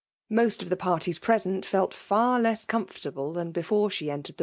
Most of the parties present Mt fiir less comfertaUe tlian before die enteredi v!